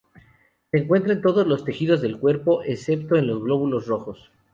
Se encuentra en todos los tejidos del cuerpo, excepto en los glóbulos rojos.